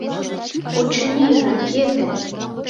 Очыни, ракете.